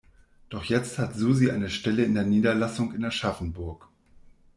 Doch jetzt hat Susi eine Stelle in der Niederlassung in Aschaffenburg.